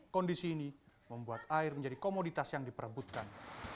kondisi ini membuat air menjadi komoditas yang diperebutkan